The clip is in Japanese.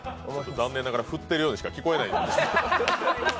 残念ながら振ってるようにしか聞こえないです。